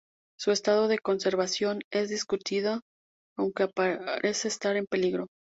Su estado de conservación es discutido, aunque parece estar en peligro.